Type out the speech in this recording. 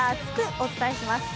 お伝えします